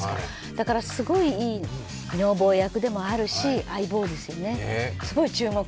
だからすごくいい女房役でもあるし相棒ですよね、すごい注目。